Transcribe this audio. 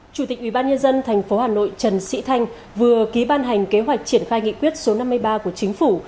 chủ tịch ubnd tp hà nội trần sĩ thanh vừa ký ban hành kế hoạch triển khai nghị quyết số năm mươi ba của chính phủ